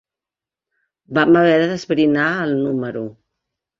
Vam haver d'esbrinar el número.